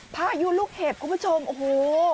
พายุลูกเห็บคุณผู้ชมโอ้โห